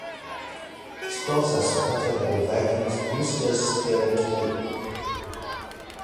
Sports are supported by the Vikings Boosters parent group.